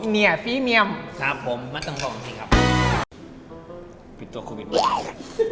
เนี่ยฟรีเมียมครับผมมาตั้งต้องสิครับปิดตัวโควิดมาก